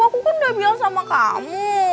aku kan udah bilang sama kamu